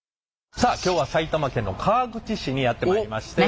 さあ今日は埼玉県の川口市にやって参りまして